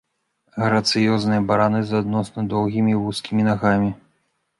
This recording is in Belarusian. Грацыёзныя бараны з адносна доўгімі, вузкімі нагамі.